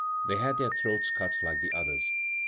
They had their throats cut like the others.